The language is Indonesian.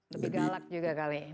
lebih galak juga kali